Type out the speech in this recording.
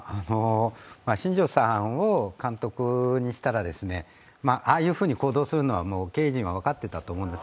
新庄さんを監督にしたら、ああいうふうに行動するのは経営陣は分かってたと思うんです。